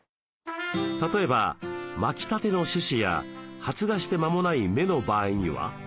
例えばまきたての種子や発芽して間もない芽の場合には？